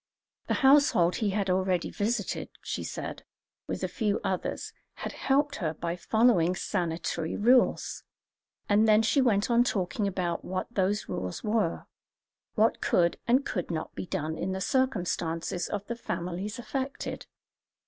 The household he had already visited, she said, with a few others, had helped her by following sanitary rules; and then she went on talking about what those rules were, what could and could not be done in the circumstances of the families affected.